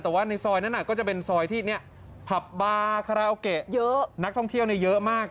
แต่ว่าในซอยนั้นก็จะเป็นซอยที่ผับบาร์คาราโอเกนักท่องเที่ยวเยอะมาก